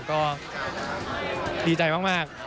ก็ดีใจมาก